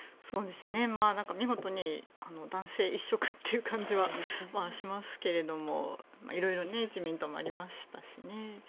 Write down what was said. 見事に男性一色という感じはしますけど色々自民党もありましたしね。